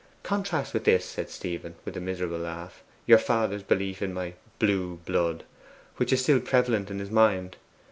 'Contrast with this,' said Stephen, with a miserable laugh, 'your father's belief in my "blue blood," which is still prevalent in his mind.